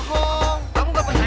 kamu gak pernah nanya sama saya